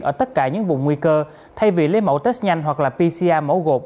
ở tất cả những vùng nguy cơ thay vì lấy mẫu test nhanh hoặc là pcr mẫu gột